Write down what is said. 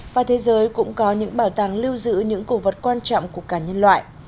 và thế giới cũng có những bảo tàng lưu giữ những cổ vật quan trọng của cả nhân loại